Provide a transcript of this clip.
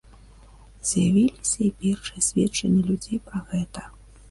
З'явіліся і першыя сведчанні людзей пра гэта.